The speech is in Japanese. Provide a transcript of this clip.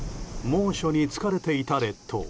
猛暑に疲れていた列島。